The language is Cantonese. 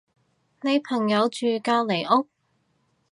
你朋友住隔離屋？